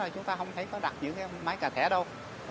chúng ta không thấy có đặt những máy cà thẻ đâu